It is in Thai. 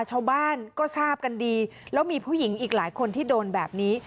ชาวบ้านก็ทราบกันดีแล้วมีผู้หญิงอีกหลายคนที่โดนแบบนี้